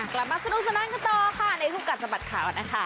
กลับมาสนุนสนานก็ต่อในภูกัดสะบัดข่าวนะคะ